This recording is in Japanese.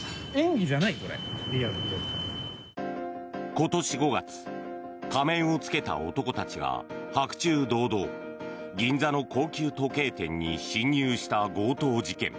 今年５月仮面をつけた男たちが白昼堂々銀座の高級時計店に侵入した強盗事件。